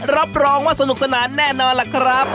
รับรองว่าสนุกสนานแน่นอนล่ะครับ